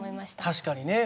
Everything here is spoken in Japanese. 確かにね。